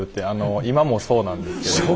あの今もそうなんですけど。